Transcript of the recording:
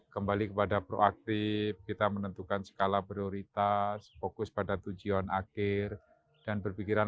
kembali kepada proaktif kita menentukan skala prioritas fokus pada tujuan akhir dan berpikiran